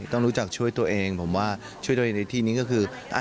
ต้องรู้จักช่วยตัวเองผมว่าช่วยตัวเองในที่นี้ก็คือ